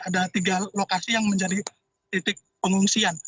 ada tiga lokasi yang menjadi titik pengungsian